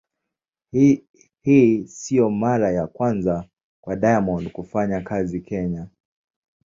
Hii sio mara ya kwanza kwa Diamond kufanya kazi Kenya.